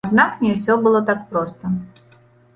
Аднак не ўсё было так проста.